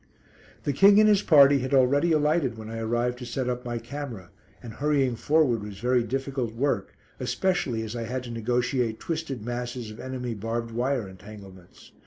The King and his party had already alighted when I arrived to set up my camera, and hurrying forward was very difficult work, especially as I had to negotiate twisted masses of enemy barbed wire entanglements.